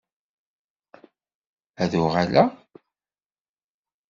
Ad uɣaleɣ.